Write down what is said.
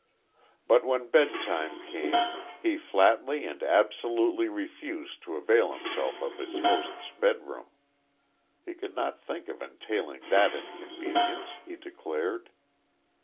But when bedtime came he flatly and absolutely refused to avail himself of his host's bedroom. He could not think of entailing that inconvenience, he declared.